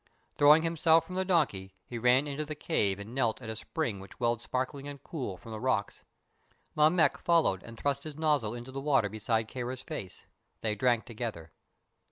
Throwing himself from the donkey, he ran into the cave and knelt at a spring which welled sparkling and cool from the rocks. Mammek followed and thrust his nozzle into the water beside Kāra's face. They drank together.